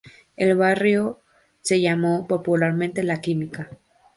El barrio se llamó popularmente "La Química".